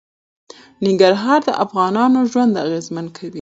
ننګرهار د افغانانو ژوند اغېزمن کوي.